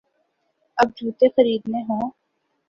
اب جوتے خریدنے ہوں۔